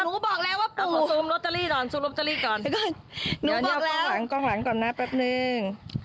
หนูบอกแล้วว่าขอซุมล็อตเตอรี่ก่อนซุมล็อตเตอรี่ก่อนเดี๋ยวนี่กล้องหวังก่อนนะแป๊บนึง